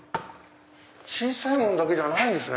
小さいものだけじゃないんですね。